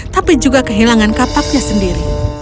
tapi juga kehilangan kapaknya sendiri